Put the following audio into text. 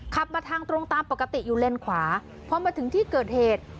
ขับมาทางตรงตามปกติอยู่เลนขวาพอมาถึงที่เกิดเหตุ